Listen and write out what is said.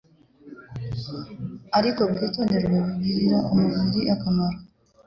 ariko bwitondewe, bigirira umubiri akamaro.